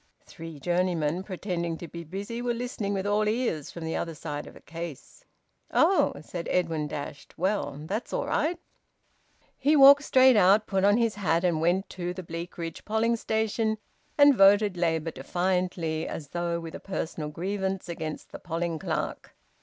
Three journeymen, pretending to be busy, were listening with all ears from the other side of a case. "Oh!" exclaimed Edwin, dashed. "Well, that's all right!" He walked straight out, put on his hat, and went to the Bleakridge polling station and voted Labour defiantly, as though with a personal grievance against the polling clerk.